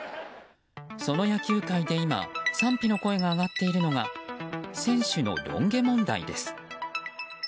その野球界で今賛否の声が上がっているのが選手のロン毛問題です。